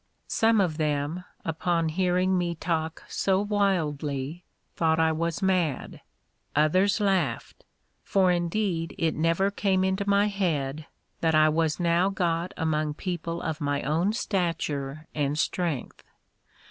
Some of them, upon hearing me talk so wildly, thought I was mad; others laughed; for indeed it never came into my head, that I was now got among people of my own stature and strength.